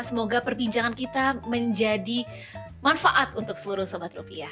semoga perbincangan kita menjadi manfaat untuk seluruh sobat rupiah